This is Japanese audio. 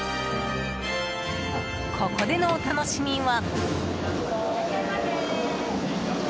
ここでのお楽しみは。